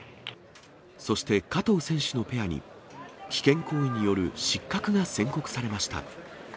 そして、加藤選手のペアに、危険行為による失格が宣告されました。